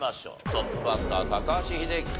トップバッター高橋英樹さん